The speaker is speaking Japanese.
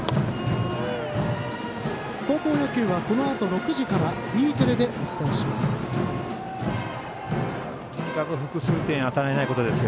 高校野球はこのあと６時からＥテレでお伝えします。